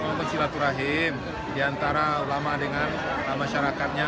kalau menurut silaturahim diantara ulama dengan masyarakatnya